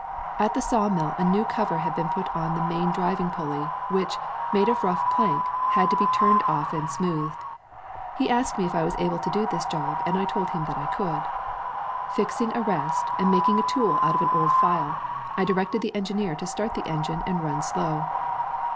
At the sawmill a new cover had been put on the main driving pulley, which, made of rough plank, had to be turned off and smoothed. He asked me if I was able to do this job and I told him that I could. Fixing a rest and mak ing a tool out of an old file, I directed the engi neer to start the engine and run slow.